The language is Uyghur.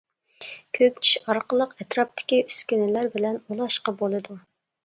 كۆكچىش ئارقىلىق ئەتراپتىكى ئۈسكۈنىلەر بىلەن ئۇلاشقا بولىدۇ.